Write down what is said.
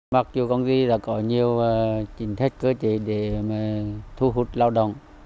mặc dù công ty có nhiều chính thức cơ chế để thu hút lao động